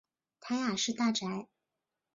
谭雅士大宅。